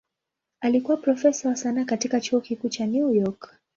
Alikuwa profesa wa sanaa katika Chuo Kikuu cha New York.